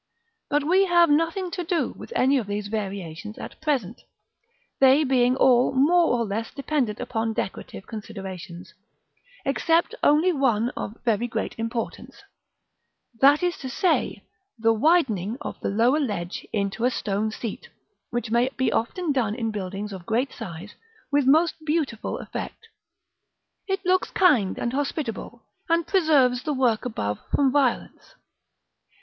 But we have nothing to do with any of these variations at present, they being all more or less dependent upon decorative considerations, except only one of very great importance, that is to say, the widening of the lower ledge into a stone seat, which may be often done in buildings of great size with most beautiful effect: it looks kind and hospitable, and preserves the work above from violence.